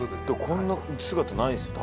こんな姿ないですよ